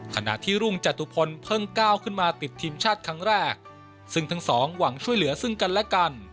ขณะที่รุ่งจตุพลเพิ่งก้าวขึ้นมาติดทีมชาติครั้งแรกซึ่งทั้งสองหวังช่วยเหลือซึ่งกันและกัน